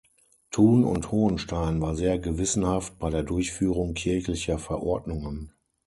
Thun und Hohenstein war sehr gewissenhaft bei der Durchführung kirchlicher Verordnungen.